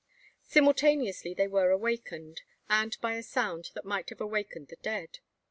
Simultaneously were they awakened, and by a sound that might have awakened the dead.